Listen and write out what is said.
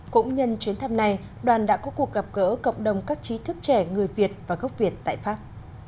cũng nhân chuyến thăm này đoàn đã có cuộc gặp gỡ cộng đồng các trí thức trẻ người việt và gốc việt tại pháp